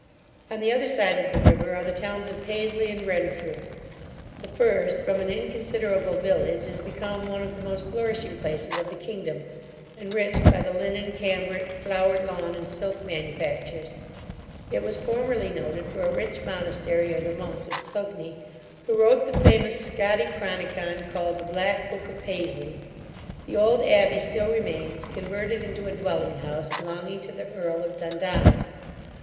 On the other side of the river are the towns of Paisley and Renfrew. The first, from an inconsiderable village, is become one of the most flourishing places of the kingdom, enriched by the linen, cambrick, flowered lawn, and silk manufactures. It was formerly noted for a rich monastery of the monks of Clugny, who wrote the famous Scoti Chronicon, called The Black Book of Paisley. The old abbey still remains, converted into a dwelling house, belonging to the earl of Dundonald.